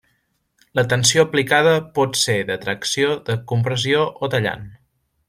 La tensió aplicada pot ser de tracció, de compressió o tallant.